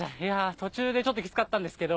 途中でちょっときつかったんですけど、